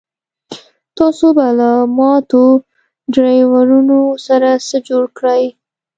تاسو به له ماتو ډرایوونو سره څه جوړ کړئ